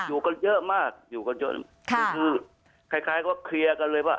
อยู่กันเยอะมากอยู่กันจนคือคล้ายก็เคลียร์กันเลยว่า